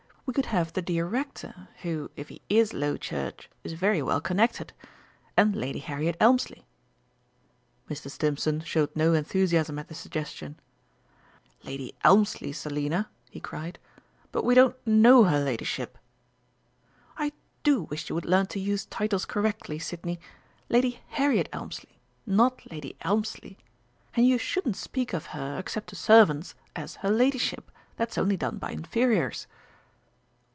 We could have the dear Rector, who, if he is Low Church, is very well connected and Lady Harriet Elmslie." Mr. Stimpson showed no enthusiasm at the suggestion. "Lady Elmslie, Selina!" he cried. "But we don't know her ladyship!" "I do wish you would learn to use titles correctly, Sidney! Lady Harriet Elmslie not Lady Elmslie! And you shouldn't speak of her, except to servants, as 'her ladyship'; that's only done by inferiors."